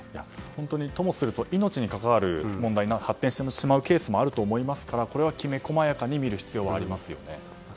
本当にともすると命に関わる問題に発展するケースもあると思いますからこれはきめ細やかに見る必要はありますね。